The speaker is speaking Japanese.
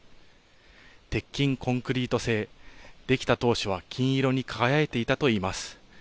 鉄筋コンクリート製、出来た当初は金色に輝いていたといいます。